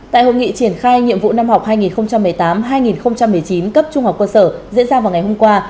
tại hội nghị triển khai nhiệm vụ năm học hai nghìn một mươi tám hai nghìn một mươi chín cấp trung học cơ sở diễn ra vào ngày hôm qua